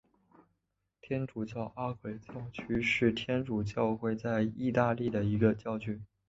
天主教阿奎教区是天主教会在义大利的一个教区。